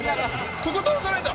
ここ倒さないと。